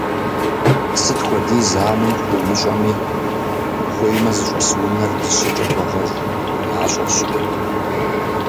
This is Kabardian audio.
Сыт хуэдиз анэм хуумыщӀэми, ухуеймэ зыщӀэс унэр дыщэкӀэ хуэгъэж – мащӀэщ.